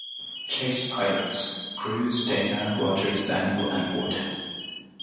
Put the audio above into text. Chase pilots: Crews, Dana, Rogers, Daniel and Wood.